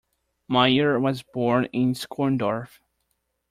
Maier was born in Schorndorf.